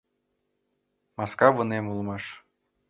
«Маска вынем» улмаш.